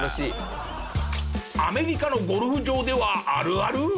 アメリカのゴルフ場ではあるある？